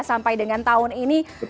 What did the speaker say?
sampai dengan tahun ini